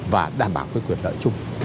và đảm bảo quyết quyền lợi chung